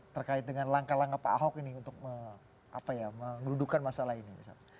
terkait dengan langkah langkah pak ahok ini untuk mengedudukan masalah ini